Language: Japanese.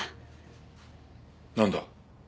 なんだ？